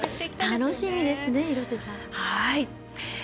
楽しみですね、廣瀬さん。